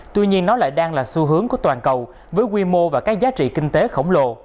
tuy nhiên nó lại đang là xu hướng của toàn cầu với quy mô và các giá trị kinh tế khổng lồ